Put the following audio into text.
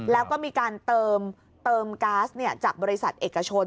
แล้วก็มีการเติมก๊าซจากบริษัทเอกชน